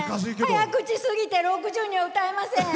早口すぎて６０には歌えません！